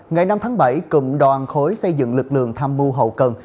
ngày năm tháng bảy cùng đoàn khối xây dựng lực lượng tham mưu hậu cần